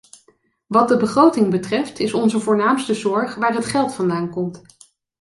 Wat de begroting betreft, is onze voornaamste zorg waar het geld vandaan komt.